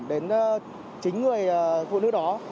đến chính người phụ nữ đó